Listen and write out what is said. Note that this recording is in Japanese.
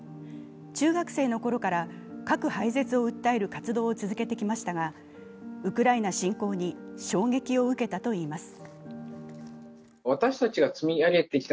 中学生のころから核廃絶を訴える活動を続けてきましたが、ウクライナ侵攻に衝撃を受けたと言います。